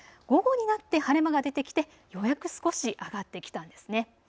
午後になって晴れ間が出てきてようやく少し上がってきたんです。